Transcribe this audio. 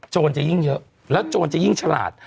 จะยิ่งเยอะแล้วโจรจะยิ่งฉลาด